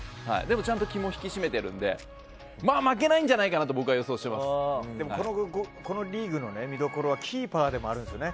ちゃんと気も引き締めているのでまあ負けないんじゃないかなとでも、このリーグの見どころはキーパーでもあるんですよね。